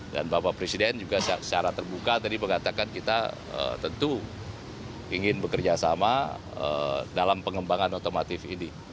dan bapak presiden juga secara terbuka tadi mengatakan kita tentu ingin bekerjasama dalam pengembangan otomotif ini